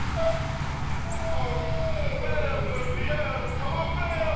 オスベルピエールカマンベール！